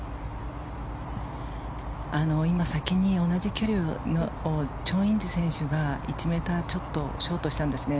今、先に同じ距離をチョン・インジ選手が１ｍちょっとショートしたんですね。